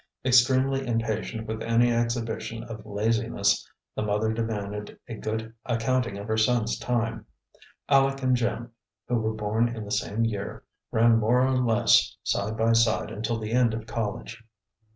Extremely impatient with any exhibition of laziness, the mother demanded a good accounting of her son's time. Aleck and Jim, who were born in the same year, ran more or less side by side until the end of college.